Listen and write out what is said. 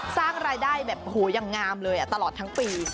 สร้างรายได้แบบอย่างงามเลยตลอดทั้งปี